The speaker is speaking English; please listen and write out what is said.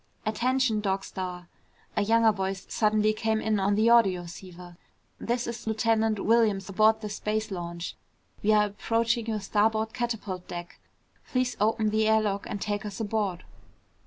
"Attention Dog Star!" A younger voice suddenly came in on the audioceiver. "This is Lieutenant Williams aboard the space launch. We are approaching your starboard catapult deck. Please open the air lock and take us aboard."